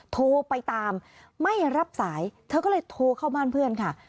โทรไปตามไม่รับสายเธอก็เลยโทรเข้าบ้านเพื่อนค่ะ